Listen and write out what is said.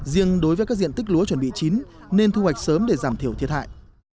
riêng đối với các diện tích lúa chuẩn bị chín nên thu hoạch sớm để giảm thiểu thiệt hại